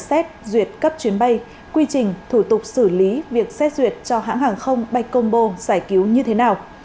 xét duyệt cấp chuyến bay quy trình thủ tục xử lý việc xét duyệt cho hãng hàng không bay côngbo giải cứu như thế nào